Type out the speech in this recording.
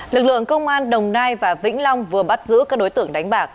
lực lượng công an đồng nai và vĩnh long vừa bắt giữ các đối tượng đánh bạc